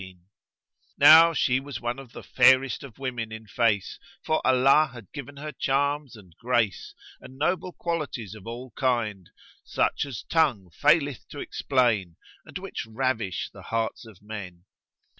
[FN#100] Now she was one of the fairest of women in face, for Allah had given her charms and grace and noble qualities of all kinds, such as tongue faileth to explain and which ravish the hearts of men.